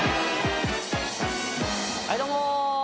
はいどうも。